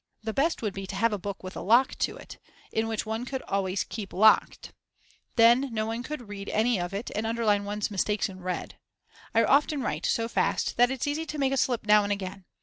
The best would be to have a book with a lock to it, which one could alway keep locked, then no one could read any of it and underline one's mistakes in red. I often write so fast that it's easy to make a slip now and again.